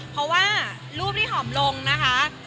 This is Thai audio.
เพราะว่ารูปที่หอมลงนะคะ